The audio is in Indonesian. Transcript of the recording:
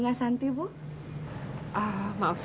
gak segitu lah bos